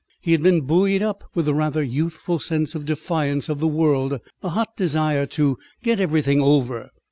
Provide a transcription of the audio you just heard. He had been buoyed up with a rather youthful sense of defiance of the world, a hot desire to "get everything over."